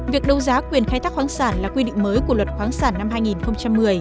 việc đấu giá quyền khai thác khoáng sản là quy định mới của luật khoáng sản năm hai nghìn một mươi